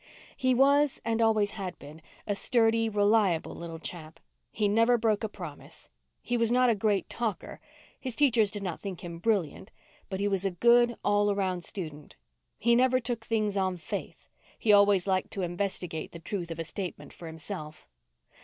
He was and always had been a sturdy, reliable little chap. He never broke a promise. He was not a great talker. His teachers did not think him brilliant, but he was a good, all round student. He never took things on faith; he always liked to investigate the truth of a statement for himself.